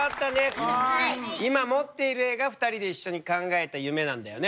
今持っている絵が２人で一緒に考えた夢なんだよね。